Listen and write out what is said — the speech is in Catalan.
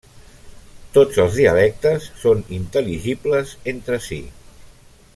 Tots els dialectes són intel·ligibles entre si.